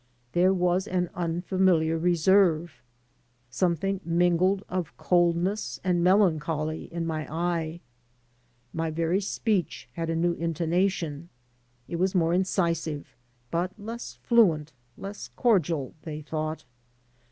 There was an unfamiliar reserve, something mingled of coldness and melancholy, in my eye. My very speech had a new intonation. It was more incisive, but less fluent, less cordial, they thought.